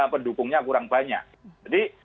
pendukungnya kurang banyak jadi